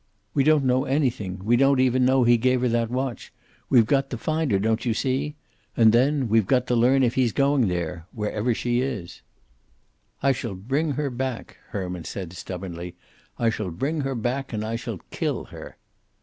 We don't know anything; we don't even know he gave her that watch. We've got to find her, don't you see? And then, we've got to learn if he's going there wherever she is." "I shall bring her back," Herman said, stubbornly. "I shall bring her back, and I shall kill her."